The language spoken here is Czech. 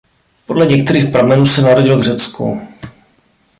Podle některých pramenů se narodil v Řecku.